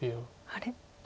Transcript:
あれ？